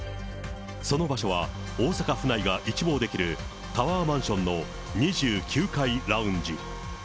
その場所は大阪府内が一望できるタワーマンションの２９階ラウンジ。